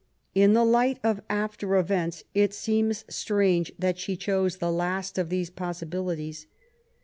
In the light of after events, it seems strange that she chose the last of these possibilities.